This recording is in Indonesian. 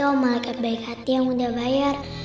pasti om malaikat baik hati yang udah bayar